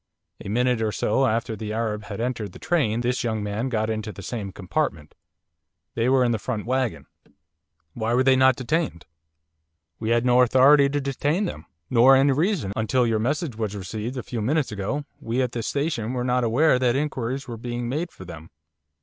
A minute or so after the Arab had entered the train this young man got into the same compartment they were in the front waggon.' 'Why were they not detained?' 'We had no authority to detain them, nor any reason. Until your message was received a few minutes ago we at this station were not aware that inquiries were being made for them.